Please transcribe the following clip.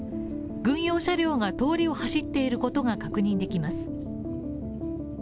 軍用車両が通りを走っていることが確認できます。